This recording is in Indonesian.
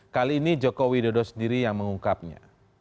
kali ini jokowi dodo sendiri yang mengungkapnya